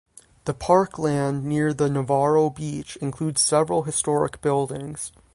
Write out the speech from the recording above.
The park land near the Navarro beach includes several historic buildings.